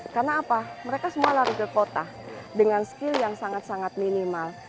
karena apa mereka semua lari ke kota dengan skill yang sangat sangat minimal